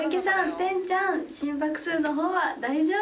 天ちゃん心拍数の方は大丈夫ですか？」